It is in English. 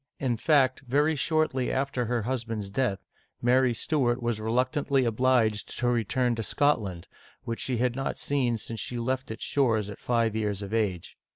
In fact, very shortly after her husband's death, Mary Stuart was reluctantly obliged to return to Scotland, which she had not seen since she left its shores at five years of age.